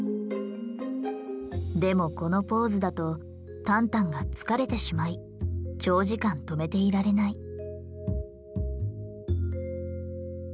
でもこのポーズだとタンタンが疲れてしまい長時間止めていられない。